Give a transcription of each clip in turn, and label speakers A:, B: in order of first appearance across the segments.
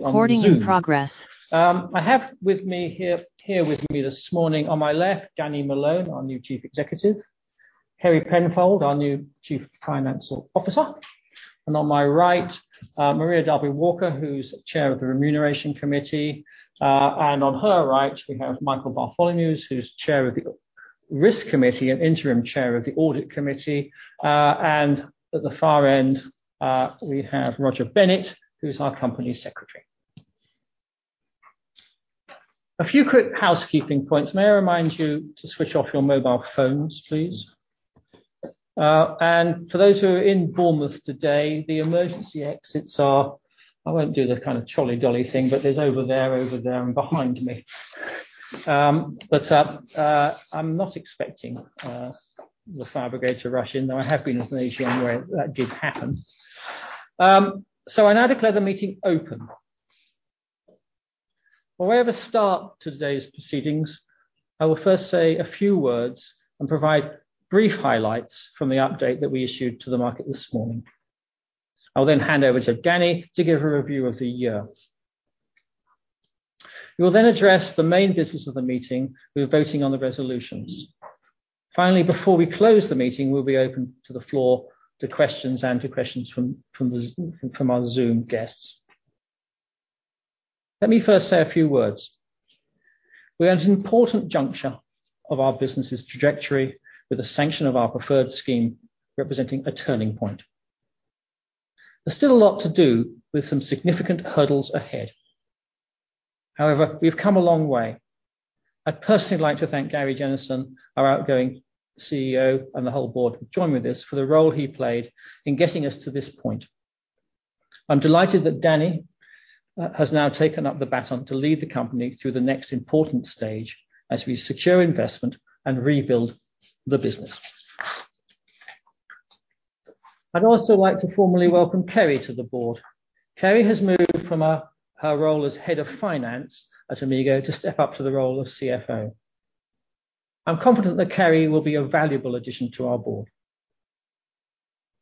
A: Recording in progress. I have with me here with me this morning on my left, Danny Malone, our new Chief Executive, Kerry Penfold, our new Chief Financial Officer. On my right, Maria Darby-Walker, who's Chair of the Remuneration Committee. On her right, we have Michael Bartholomeusz, who's Chair of the Risk Committee and Interim Chair of the Audit Committee. At the far end, we have Roger Bennett, who's our Company Secretary. A few quick housekeeping points. May I remind you to switch off your mobile phones, please. For those who are in Bournemouth today, the emergency exits are. I won't do the kind of trolley dolly thing, but there's over there and behind me. I'm not expecting the fire brigade rush in, though there have been occasion where that did happen. I now declare the meeting open. Before I ever start today's proceedings, I will first say a few words and provide brief highlights from the update that we issued to the market this morning. I will then hand over to Danny to give a review of the year. We will then address the main business of the meeting. We are voting on the resolutions. Finally, before we close the meeting, we'll be open to the floor to questions and to questions from our Zoom guests. Let me first say a few words. We're at an important juncture of our business's trajectory with the sanction of our preferred scheme, representing a turning point. There's still a lot to do with some significant hurdles ahead. However, we've come a long way. I'd personally like to thank Gary Jennison, our outgoing CEO, and the whole board for the role he played in getting us to this point. I'm delighted that Danny has now taken up the baton to lead the company through the next important stage as we secure investment and rebuild the business. I'd also like to formally welcome Kerry to the board. Kerry has moved from her role as head of finance at Amigo to step up to the role of CFO. I'm confident that Kerry will be a valuable addition to our board.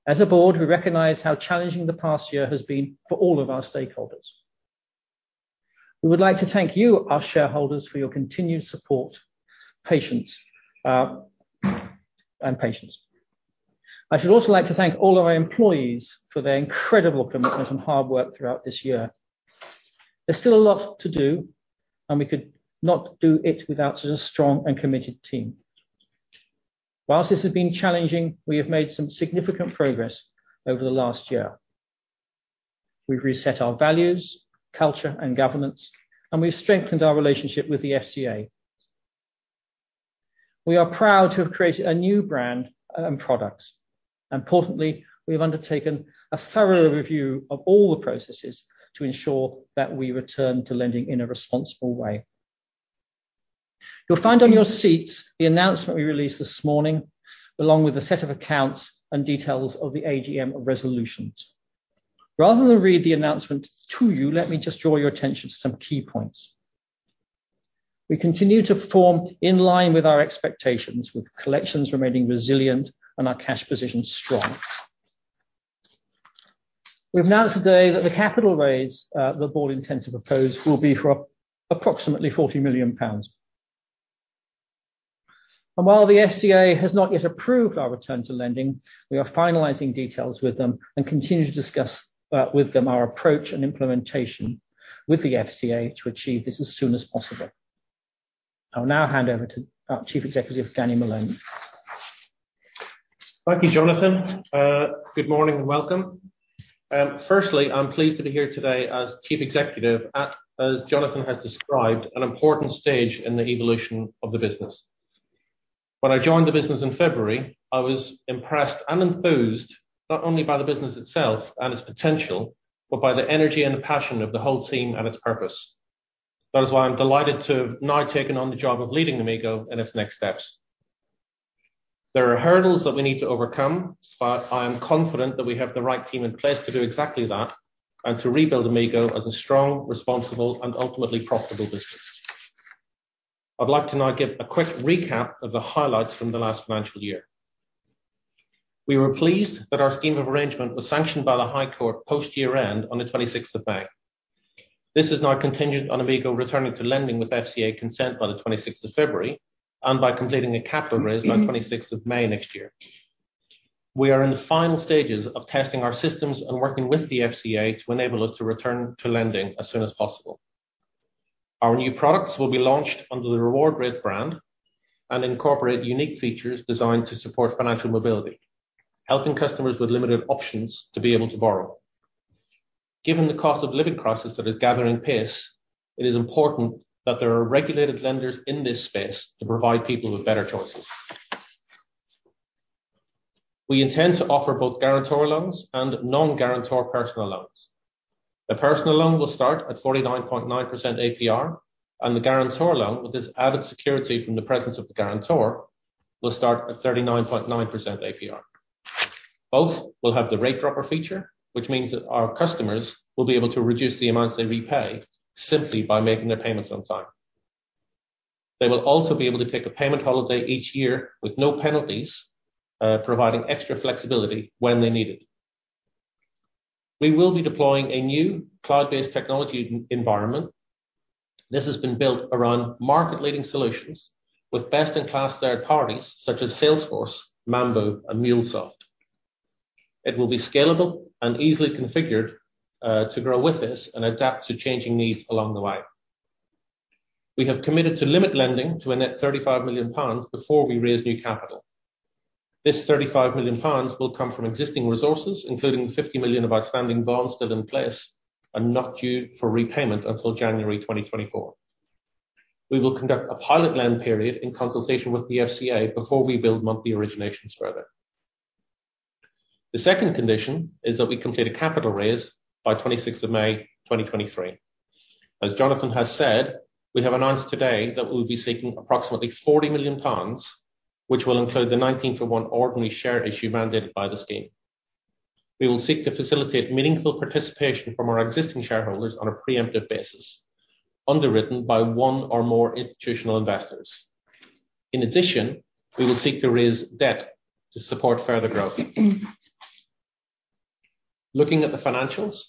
A: As a board, we recognize how challenging the past year has been for all of our stakeholders. We would like to thank you, our shareholders, for your continued support, patience, and patience. I should also like to thank all of our employees for their incredible commitment and hard work throughout this year. There's still a lot to do, and we could not do it without such a strong and committed team. While this has been challenging, we have made some significant progress over the last year. We've reset our values, culture, and governance, and we've strengthened our relationship with the FCA. We are proud to have created a new brand and products. Importantly, we have undertaken a thorough review of all the processes to ensure that we return to lending in a responsible way. You'll find on your seats the announcement we released this morning, along with a set of accounts and details of the AGM resolutions. Rather than read the announcement to you, let me just draw your attention to some key points. We continue to perform in line with our expectations, with collections remaining resilient and our cash position strong. We've announced today that the capital raise, the board intends to propose, will be for approximately 40 million pounds. While the FCA has not yet approved our return to lending, we are finalizing details with them and continue to discuss with them our approach and implementation with the FCA to achieve this as soon as possible. I'll now hand over to our Chief Executive, Danny Malone.
B: Thank you, Jonathan. Good morning and welcome. Firstly, I'm pleased to be here today as chief executive at, as Jonathan has described, an important stage in the evolution of the business. When I joined the business in February, I was impressed and enthused not only by the business itself and its potential, but by the energy and the passion of the whole team and its purpose. That is why I'm delighted to have now taken on the job of leading Amigo in its next steps. There are hurdles that we need to overcome, but I am confident that we have the right team in place to do exactly that and to rebuild Amigo as a strong, responsible, and ultimately profitable business. I'd like to now give a quick recap of the highlights from the last financial year. We were pleased that our scheme of arrangement was sanctioned by the High Court post-year-end on the twenty-sixth of May. This is now contingent on Amigo returning to lending with FCA consent by the 26th of February and by completing a capital raise by 26th of May next year. We are in the final stages of testing our systems and working with the FCA to enable us to return to lending as soon as possible. Our new products will be launched under the RewardRate brand and incorporate unique features designed to support financial mobility, helping customers with limited options to be able to borrow. Given the cost of living crisis that is gathering pace, it is important that there are regulated lenders in this space to provide people with better choices. We intend to offer both guarantor loans and non-guarantor personal loans. The personal loan will start at 49.9 APR, and the guarantor loan with this added security from the presence of the guarantor will start at 39.9 APR. Both will have the rate dropper feature, which means that our customers will be able to reduce the amounts they repay simply by making their payments on time. They will also be able to take a payment holiday each year with no penalties, providing extra flexibility when they need it. We will be deploying a new cloud-based technology environment. This has been built around market-leading solutions with best-in-class third parties such as Salesforce, Mambu, and MuleSoft. It will be scalable and easily configured to grow with us and adapt to changing needs along the way. We have committed to limit lending to a net 35 million pounds before we raise new capital. This 35 million pounds will come from existing resources, including 50 million of outstanding bonds still in place and not due for repayment until January 2024. We will conduct a pilot lend period in consultation with the FCA before we build monthly originations further. The second condition is that we complete a capital raise by 26th of May 2023. Jonathan has said, we have announced today that we'll be seeking approximately 40 million pounds, which will include the 19-for-1 ordinary share issue mandated by the scheme. We will seek to facilitate meaningful participation from our existing shareholders on a preemptive basis, underwritten by one or more institutional investors. In addition, we will seek to raise debt to support further growth. Looking at the financials,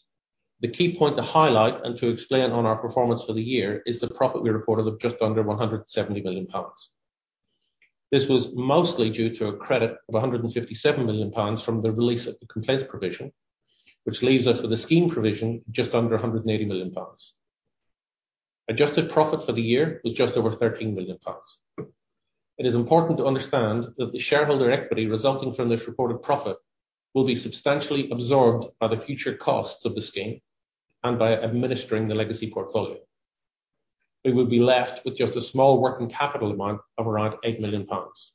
B: the key point to highlight and to explain on our performance for the year is the profit we reported of just under 170 million pounds. This was mostly due to a credit of 157 million pounds from the release of the complaints provision, which leaves us with a scheme provision just under 180 million pounds. Adjusted profit for the year was just over 13 million pounds. It is important to understand that the shareholder equity resulting from this reported profit will be substantially absorbed by the future costs of the scheme and by administering the legacy portfolio. We will be left with just a small working capital amount of around 8 million pounds.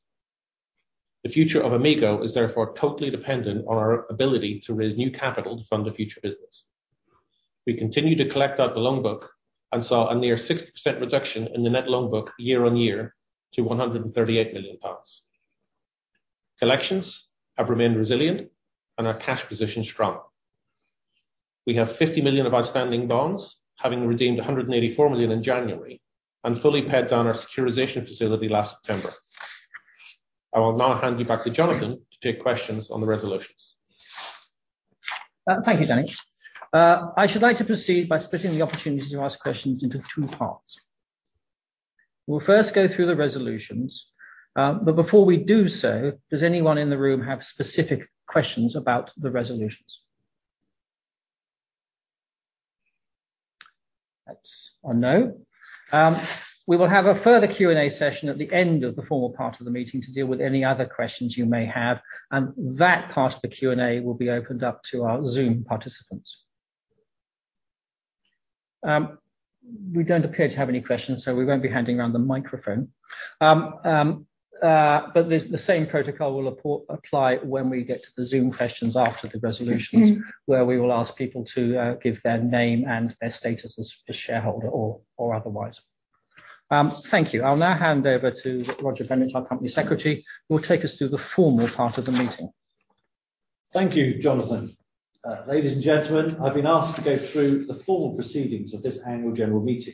B: The future of Amigo is therefore totally dependent on our ability to raise new capital to fund the future business. We continue to collect out the loan book and saw a near 60% reduction in the net loan book year-on-year to 138 million pounds. Collections have remained resilient and our cash position strong. We have 50 million of outstanding bonds, having redeemed 184 million in January and fully paid down our securitization facility last September. I will now hand you back to Jonathan to take questions on the resolutions.
A: Thank you, Danny. I should like to proceed by splitting the opportunity to ask questions into two parts. We'll first go through the resolutions, but before we do so, does anyone in the room have specific questions about the resolutions? That's a no. We will have a further Q&A session at the end of the formal part of the meeting to deal with any other questions you may have, and that part of the Q&A will be opened up to our Zoom participants. We don't appear to have any questions, so we won't be handing around the microphone. The same protocol will apply when we get to the Zoom questions after the resolutions, where we will ask people to give their name and their status as shareholder or otherwise. Thank you. I'll now hand over to Roger Bennett, our Company Secretary, who will take us through the formal part of the meeting.
C: Thank you, Jonathan. Ladies and gentlemen, I've been asked to go through the formal proceedings of this annual general meeting.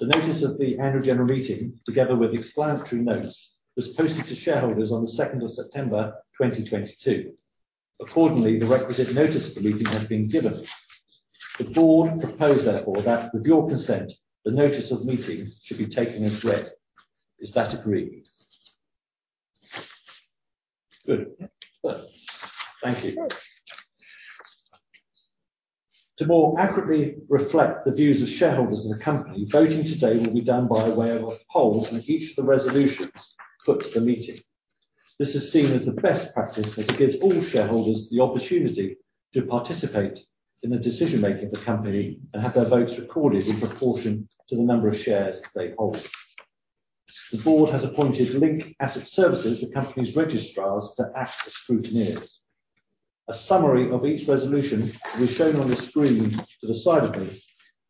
C: The notice of the annual general meeting, together with the explanatory notes, was posted to shareholders on the 2nd of September 2022. Accordingly, the requisite notice of the meeting has been given. The board propose therefore that, with your consent, the notice of the meeting should be taken as read. Is that agreed? Good. Thank you. To more accurately reflect the views of shareholders in the company, voting today will be done by way of a poll on each of the resolutions put to the meeting. This is seen as the best practice as it gives all shareholders the opportunity to participate in the decision-making of the company and have their votes recorded in proportion to the number of shares they hold. The board has appointed Link Asset Services, the company's registrars, to act as scrutineers. A summary of each resolution will be shown on the screen to the side of me,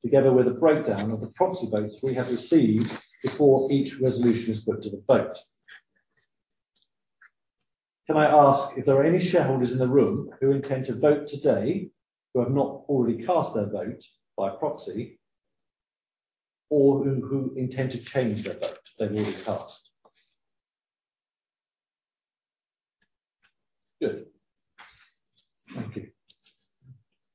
C: together with a breakdown of the proxy votes we have received before each resolution is put to the vote. Can I ask if there are any shareholders in the room who intend to vote today, who have not already cast their vote by proxy, or who intend to change their vote they've already cast? Good. Thank you.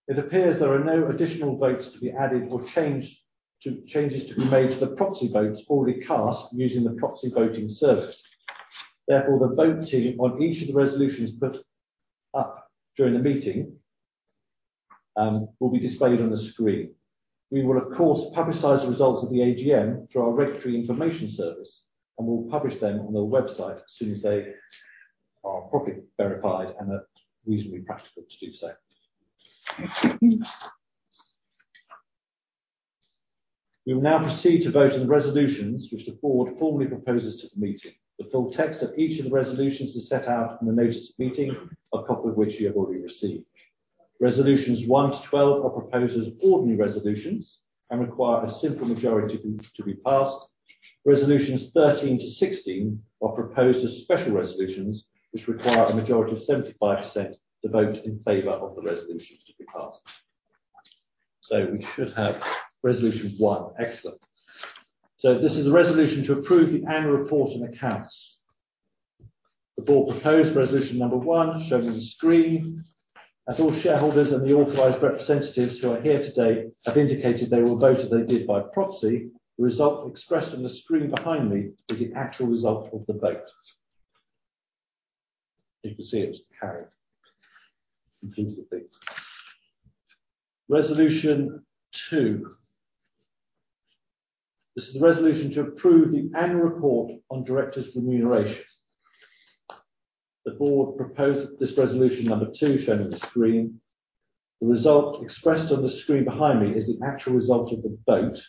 C: It appears there are no additional votes to be added or changes to be made to the proxy votes already cast using the proxy voting service. Therefore, the vote tally on each of the resolutions put up during the meeting will be displayed on the screen. We will of course publicize the results of the AGM through our regulatory information service, and we'll publish them on the website as soon as they are properly verified and are reasonably practical to do so. We will now proceed to vote on the resolutions which the board formally proposes to the meeting. The full text of each of the resolutions is set out in the notice of the meeting, a copy of which you have already received. Resolutions 1-12 are proposed as ordinary resolutions and require a simple majority to be passed. Resolutions 13-16 are proposed as special resolutions, which require a majority of 75% to vote in favor of the resolutions to be passed. We should have resolution 1. Excellent. This is a resolution to approve the annual report and accounts. The board proposed resolution number one shown on the screen. As all shareholders and the authorized representatives who are here today have indicated they will vote as they did by proxy, the result expressed on the screen behind me is the actual result of the vote. You can see it was carried conclusively. Resolution two. This is the resolution to approve the annual report on directors' remuneration. The board proposed this resolution number two shown on the screen. The result expressed on the screen behind me is the actual result of the vote.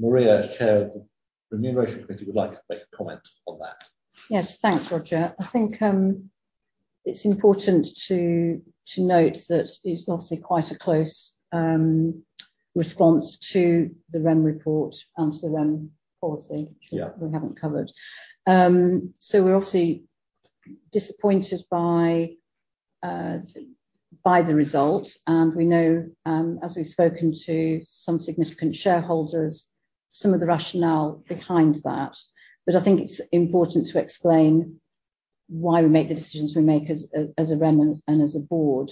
C: Maria, as chair of the Remuneration Committee, would like to make a comment on that.
D: Yes. Thanks, Roger. I think it's important to note that it's obviously quite a close response to the REM report and to the REM policy.
C: Yeah
D: which we haven't covered. We're obviously disappointed by the result, and we know, as we've spoken to some significant shareholders, some of the rationale behind that. I think it's important to explain why we make the decisions we make as a REM and as a board.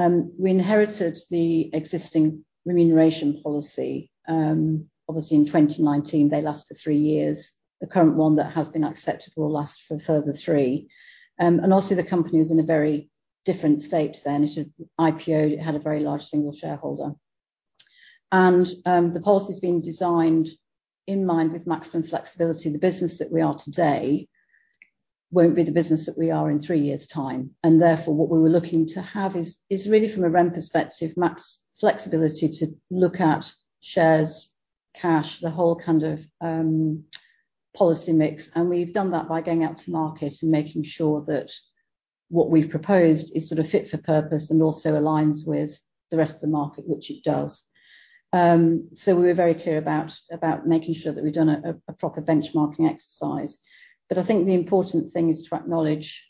D: We inherited the existing remuneration policy, obviously in 2019. They last for three years. The current one that has been accepted will last for a further three. Obviously, the company was in a very different state then. It had IPO-ed, it had a very large single shareholder. The policy's been designed in mind with maximum flexibility. The business that we are today won't be the business that we are in three years' time, and therefore, what we were looking to have is really from a REM perspective, max flexibility to look at shares, cash, the whole kind of policy mix, and we've done that by going out to market and making sure that what we've proposed is sort of fit for purpose and also aligns with the rest of the market, which it does. We're very clear about making sure that we've done a proper benchmarking exercise. I think the important thing is to acknowledge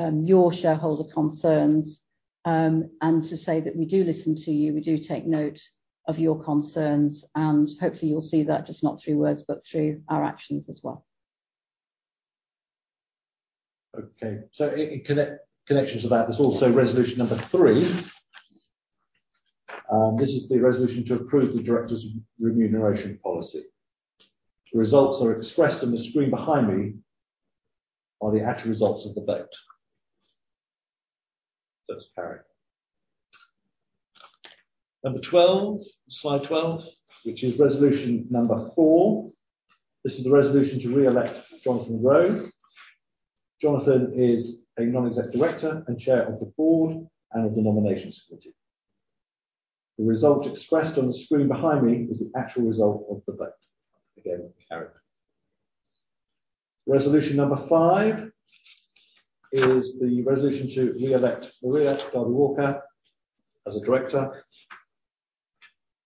D: your shareholder concerns, and to say that we do listen to you, we do take note of your concerns, and hopefully you'll see that just not through words but through our actions as well.
C: Okay. In connection to that, there's also resolution number three. This is the resolution to approve the directors' remuneration policy. The results that are expressed on the screen behind me are the actual results of the vote. It's carried. Number 12, slide 12, which is resolution number four. This is the resolution to re-elect Jonathan Roe. Jonathan is a non-exec director and Chair of the board and of the Nominations Committee. The result expressed on the screen behind me is the actual result of the vote. Again, carried. Resolution number five is the resolution to re-elect Maria Darby-Walker as a director.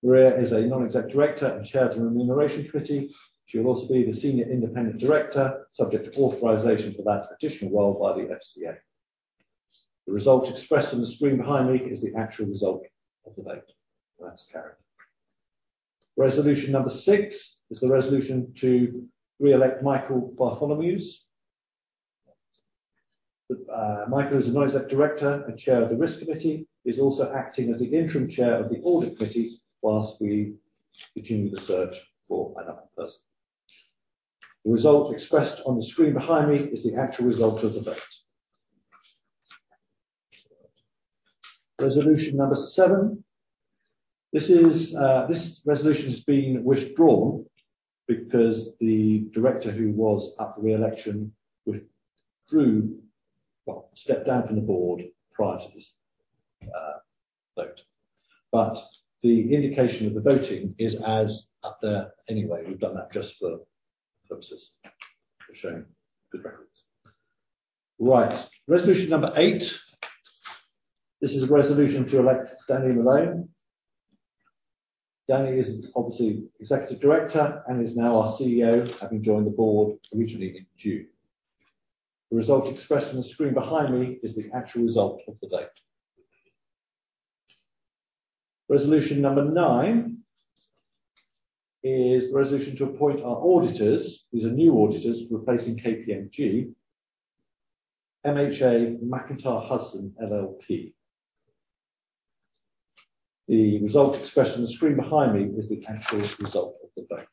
C: Maria is a non-exec director and Chair of the Remuneration Committee. She will also be the senior independent director, subject to authorization for that additional role by the FCA. The result expressed on the screen behind me is the actual result of the vote. That's carried. Resolution number six is the resolution to re-elect Michael Bartholomeusz. The Michael is a non-exec director and chair of the Risk Committee. He's also acting as the interim chair of the Audit Committee while we continue the search for another person. The result expressed on the screen behind me is the actual result of the vote. Resolution number seven. This is this resolution has been withdrawn because the director who was up for re-election withdrew. Well, stepped down from the board prior to this vote. But the indication of the voting is as up there anyway. We've done that just for purposes of showing good records. Right. Resolution number eight. This is a resolution to elect Danny Malone. Danny is obviously executive director and is now our CEO, having joined the board originally in June. The result expressed on the screen behind me is the actual result of the vote. Resolution number nine is the resolution to appoint our auditors. These are new auditors replacing KPMG, MHA MacIntyre Hudson LLP. The result expressed on the screen behind me is the actual result of the vote.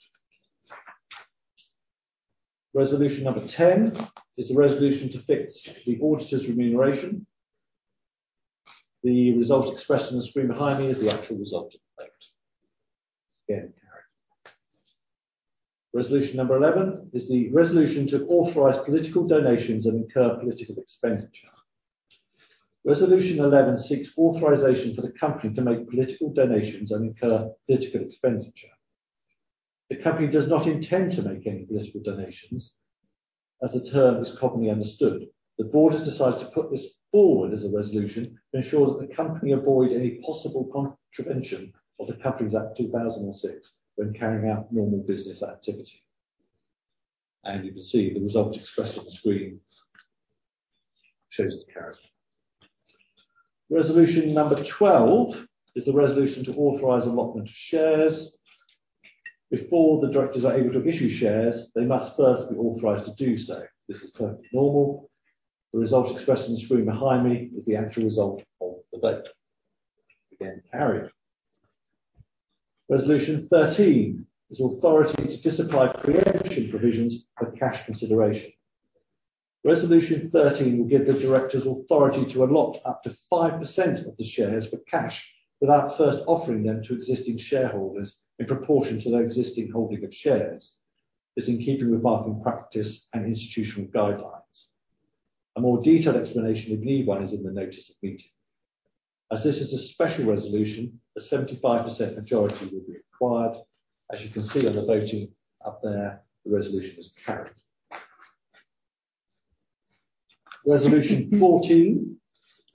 C: Resolution number 10 is the resolution to fix the auditors' remuneration. The result expressed on the screen behind me is the actual result of the vote. Again, carried. Resolution number 11 is the resolution to authorize political donations and incur political expenditure. Resolution 11 seeks authorization for the company to make political donations and incur political expenditure. The company does not intend to make any political donations as the term is commonly understood. The board has decided to put this forward as a resolution to ensure that the company avoid any possible contravention of the Companies Act 2006 when carrying out normal business activity. You can see the results expressed on the screen shows it's carried. Resolution number 12 is the resolution to authorize allotment of shares. Before the directors are able to issue shares, they must first be authorized to do so. This is perfectly normal. The results expressed on the screen behind me is the actual result of the vote. Again, carried. Resolution 13 is authority to disapply pre-emption provisions for cash consideration. Resolution 13 will give the directors authority to allot up to 5% of the shares for cash without first offering them to existing shareholders in proportion to their existing holding of shares, as in keeping with market practice and institutional guidelines. A more detailed explanation, if you need one, is in the notice of meeting. As this is a special resolution, a 75% majority will be required. As you can see on the voting up there, the resolution is carried. Resolution 14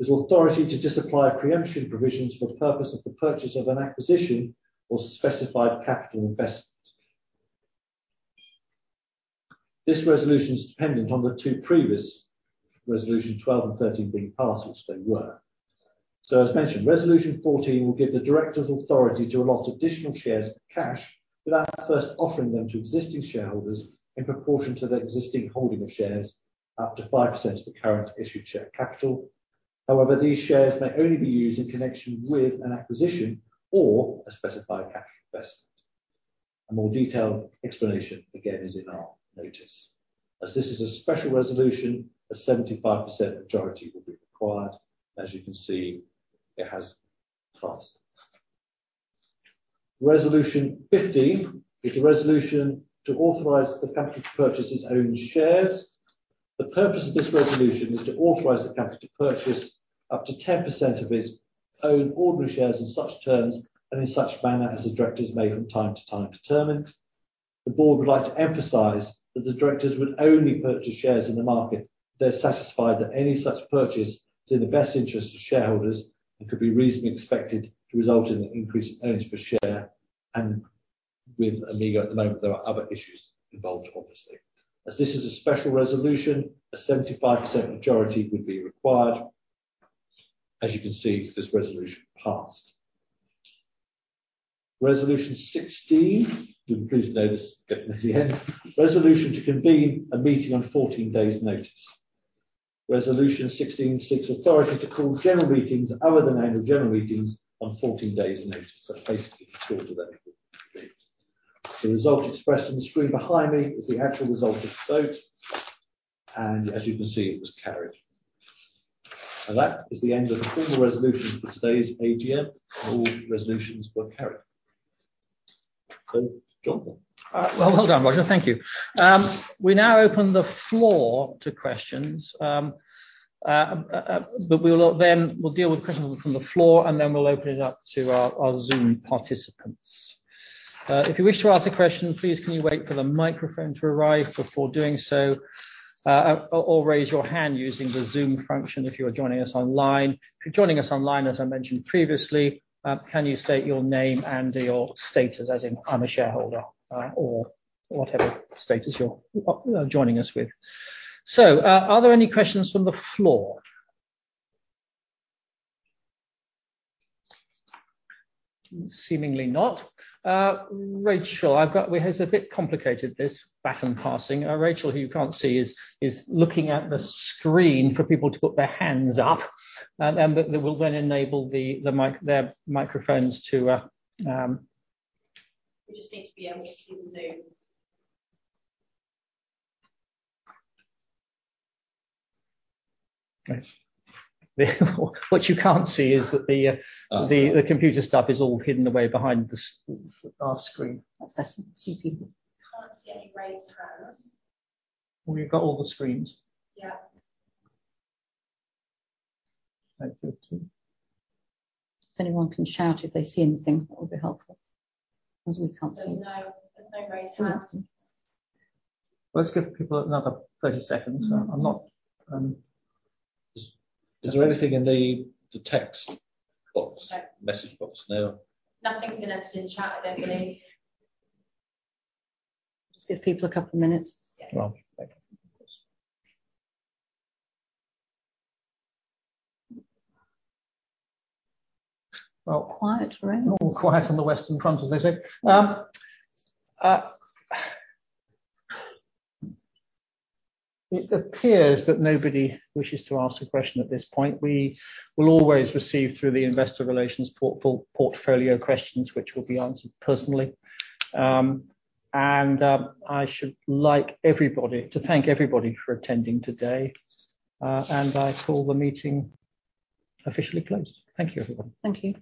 C: is authority to disapply pre-emption provisions for the purpose of financing an acquisition or specified capital investment. This resolution is dependent on the two previous resolutions 12 and 13 being passed, which they were. As mentioned, resolution 14 will give the directors authority to allot additional shares for cash without first offering them to existing shareholders in proportion to their existing holding of shares up to 5% of the current issued share capital. However, these shares may only be used in connection with an acquisition or a specified capital investment. A more detailed explanation, again, is in our notice. As this is a special resolution, a 75% majority will be required. As you can see, it has passed. Resolution 15 is a resolution to authorize the company to purchase its own shares. The purpose of this resolution is to authorize the company to purchase up to 10% of its own ordinary shares in such terms, and in such manner as the directors may from time to time determine. The board would like to emphasize that the directors would only purchase shares in the market if they're satisfied that any such purchase is in the best interest of shareholders and could be reasonably expected to result in an increase in earnings per share. With Amigo at the moment, there are other issues involved obviously. As this is a special resolution, a 75% majority would be required. As you can see, this resolution passed. Resolution 16. You'll be pleased to know this is getting to the end. Resolution to convene a meeting on 14 days' notice. Resolution 16 seeks authority to call general meetings other than annual general meetings on 14 days' notice. Basically for shorter than. The result expressed on the screen behind me is the actual result of the vote, and as you can see, it was carried. That is the end of the formal resolutions for today's AGM. All resolutions were carried. Jonathan.
A: Well done, Roger. Thank you. We now open the floor to questions. But we will, then we'll deal with questions from the floor, and then we'll open it up to our Zoom participants. If you wish to ask a question, please wait for the microphone to arrive before doing so, or raise your hand using the Zoom function if you are joining us online. If you're joining us online, as I mentioned previously, can you state your name and your status, as in I'm a shareholder, or whatever status you're joining us with. Are there any questions from the floor? Seemingly not. Rachel, I've got it. It is a bit complicated, this baton passing. Rachel, who you can't see, is looking at the screen for people to put their hands up. We'll then enable the microphones to
D: We just need to be able to see the Zoom.
A: Okay. What you can't see is that the computer stuff is all hidden away behind the our screen.
D: That's better. See people. Can't see any raised hands.
A: Well, you've got all the screens.
D: Yeah.
A: Thank you.
D: If anyone can shout if they see anything, that would be helpful, as we can't see. There's no raised hands. Can't see.
A: Let's give people another 30 seconds. Is there anything in the text box?
D: No.
A: No.
D: Nothing's been entered in chat either, Billy. Just give people a couple minutes. Yeah.
A: Right. Thank you. Of course. Well-
D: Quiet room.
A: All quiet on the Western front, as they say. It appears that nobody wishes to ask a question at this point. We will always receive through the investor relations portfolio questions, which will be answered personally. I should like everybody to thank everybody for attending today. I call the meeting officially closed. Thank you, everyone.
D: Thank you.